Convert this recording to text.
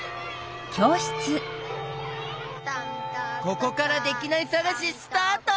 ここからできないさがしスタート！